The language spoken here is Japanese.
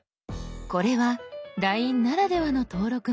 これは「ＬＩＮＥ」ならではの登録の項目。